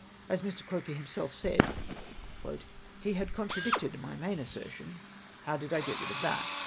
As Mr. Croker himself said " lie had contradicted my main assertion ; how did I get rid of that?''